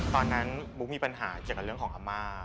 ตอนนั้นบุ๊กมีปัญหาเกี่ยวกับเรื่องของอาม่า